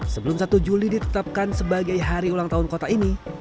sebelum satu juli ditetapkan sebagai hari ulang tahun kota ini